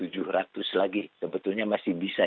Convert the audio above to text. jadi sebetulnya masih bisa